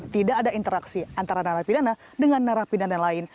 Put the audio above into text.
tidak ada interaksi antara narapidana dengan narapidana lain